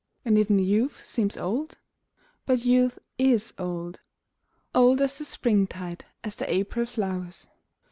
And even Youth seems old ?... But Youth is old, Old as the springtide, as the April flowers.